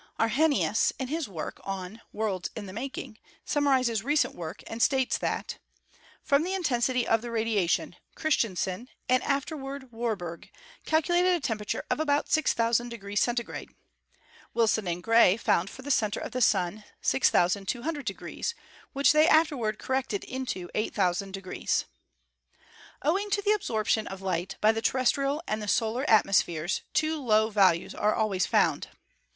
Arrhenius, in his work on "Worlds in the Making," sum marizes recent work, and states that: "From the inten sity of the radiation, Christiansen, and afterward War burg, calculated a temperature of about 6,000° C. Wilson and Gray found for the center of the Sun 6,200°, which they afterward corrected into 8,000°." Owing to the absorption of light by the terrestrial and the solar at mospheres, too low values are always found.